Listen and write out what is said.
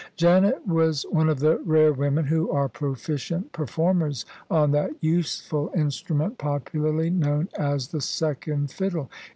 Janet was one of the rare women who are proficient per formers on that useful instrument popularly known as the " second fiddle."